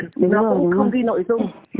nó cũng không ghi nội dung